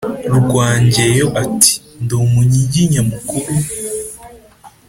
Rwangeyo ati: “Ndi Umunyiginya mukuru